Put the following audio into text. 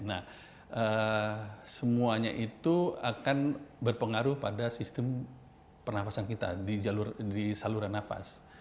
nah semuanya itu akan berpengaruh pada sistem pernafasan kita di saluran nafas